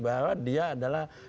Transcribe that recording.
bahwa dia adalah